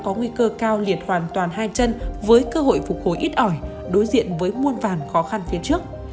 có nguy cơ cao liệt hoàn toàn hai chân với cơ hội phục hồi ít ỏi đối diện với muôn vàn khó khăn phía trước